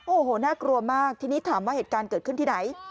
โอ้โหน่ากลัวมากทีนี้ถามว่าเหตุการณ์เกิดขึ้นที่ไหน